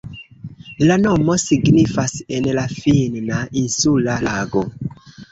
La nomo signifas en la finna "insula lago".